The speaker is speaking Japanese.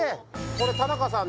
これ田中さん